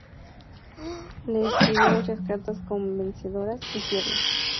Le escribió muchas cartas conmovedoras y tiernas.